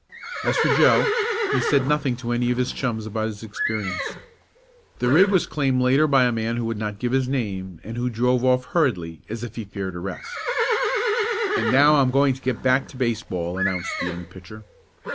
As for Joe he said nothing to any of his chums about his experience. The rig was claimed later by a man who would not give his name, and who drove off hurriedly, as if he feared arrest. "And now I'm going to get back to baseball," announced the young pitcher.